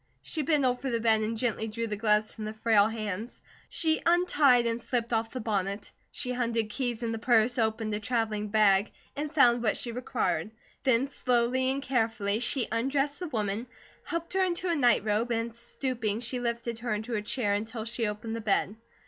She bent over the bed and gently drew the gloves from the frail hands. She untied and slipped off the bonnet. She hunted keys in the purse, opened a travelling bag, and found what she required. Then slowly and carefully, she undressed the woman, helped her into a night robe, and stooping she lifted her into a chair until she opened the bed.